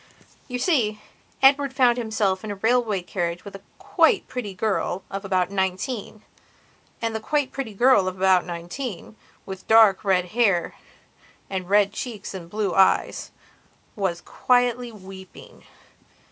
You see, Edward found himself in a railway carriage with a quite pretty girl of about nineteen. And the quite pretty girl of about nineteen, with dark hair and red cheeks and blue eyes, was quietly weeping.